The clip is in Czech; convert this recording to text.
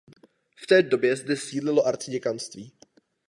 V té době zde sídlilo arciděkanství.